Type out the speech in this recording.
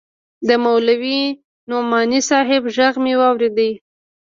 د مولوي نعماني صاحب ږغ مې واورېد.